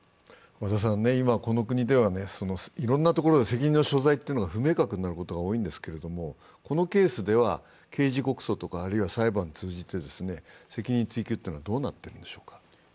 今、この国ではいろんなところで責任の所在が不明確になることが多いんですけれども、このケースでは刑事告訴とか、あるいは裁判を通じて責任追及はどうなっているんでしょう。